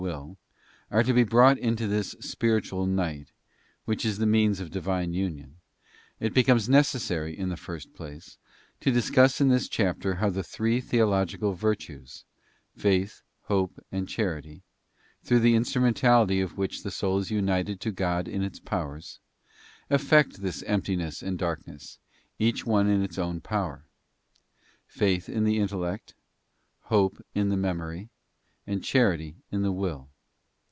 ley 'cate 2 em tePAt thee WORK OF FAITH, HOPE, AND CHARITY. 71 necessary, in the first place, to discuss in this chapter how the three theological virtues, Faith, Hope, and Charity — through ————— the instrumentality of which the soul is united to God in its powers — effect this emptiness and darkness, each one in its own power: Faith in the intellect, Hope in the memory, and Charity in the will.